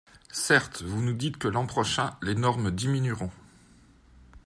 Certes, vous nous dites que l’an prochain, les normes diminueront.